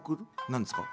何ですか？」。